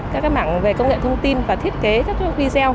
các cái mảng về công nghệ thông tin và thiết kế các cái video